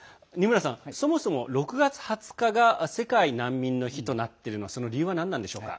そもそも、６月２０日が世界難民の日となっているその理由は何なのでしょうか？